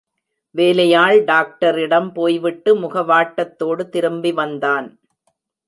வேலையாள் டாக்டரிடம் போய்விட்டு முகவாட்டத்தோடு திரும்பி வந்தான்.